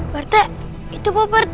pak rt itu apa pak rt